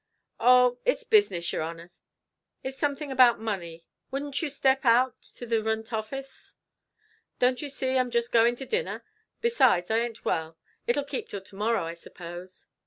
"Oh, it's business, yer honer; it's something about money wouldn't you step out to the rint office?" "Don't you see I'm just going to dinner; besides, I ain't well it'll keep till to morrow, I suppose?"